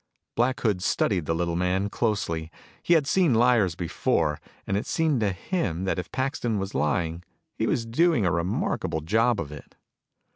Black Hood studied the little man closely. He had seen liars before, and it seemed to him that if Paxton was lying he was doing a remarkable job of it.